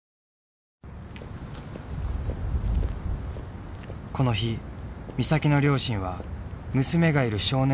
この日美咲の両親は娘がいる少年院を訪れた。